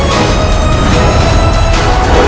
aku akan menangkapmu